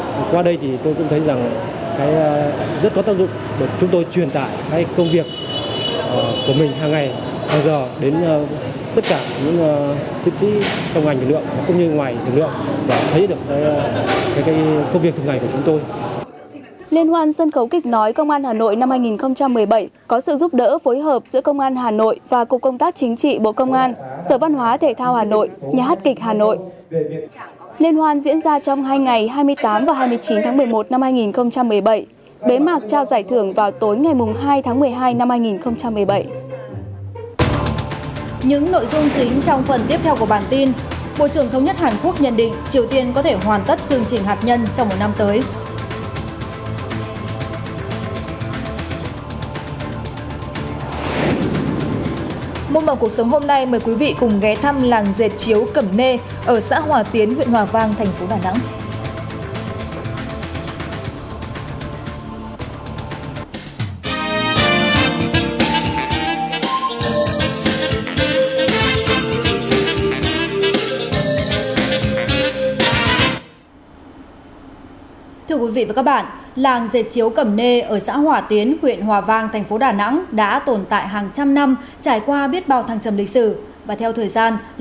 môn bầu cuộc sống hôm nay mời quý vị cùng ghé thăm làng dệt chiếu cẩm nê ở xã hòa tiến huyện hòa vang thành phố đà nẵng